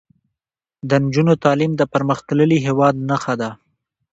د نجونو تعلیم د پرمختللي هیواد نښه ده.